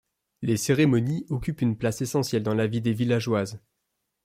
Les cérémonies occupent une place essentielle dans la vie des villageoises.